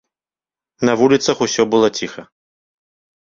На вуліцах усё было ціха.